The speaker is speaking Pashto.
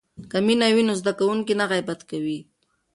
که مینه وي نو زده کوونکی نه غیبت کوي.